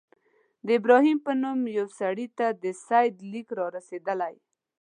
د ابراهیم په نوم یوه سړي ته د سید لیک را رسېدلی.